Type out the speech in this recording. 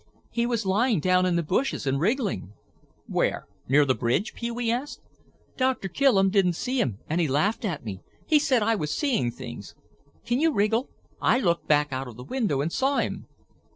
"He was lying down in the bushes and wriggling." "Where? Near the bridge?" Pee wee asked. "Doctor Killem didn't see him and he laughed at me. He said I was seeing things. Can you wriggle? I looked back out of the window and saw him."